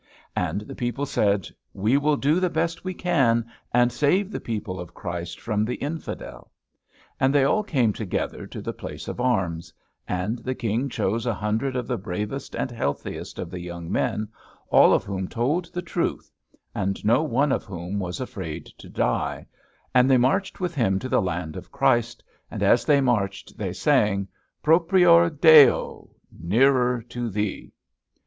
And the people said, "We will do the best we can, and save the people of Christ from the infidel!" And they all came together to the place of arms; and the King chose a hundred of the bravest and healthiest of the young men, all of whom told the truth, and no one of whom was afraid to die, and they marched with him to the land of Christ; and as they marched they sang, "Propior Deo," "Nearer to Thee."